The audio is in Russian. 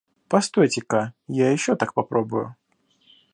Постойте-ка, я ещё так попробую.